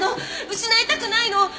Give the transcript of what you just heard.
失いたくないの！